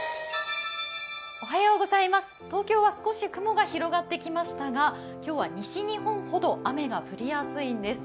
東京は少し雲が広がってきましたが今日は西日本ほど雨が降りやすいんです。